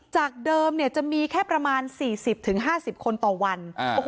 จากเดิมจะมีแค่ประมาณ๔๐๕๐คนต่อวัน